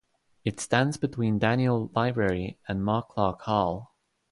It stands between Daniel Library and Mark Clark Hall.